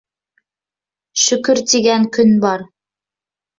Шөкөр тигән көн бар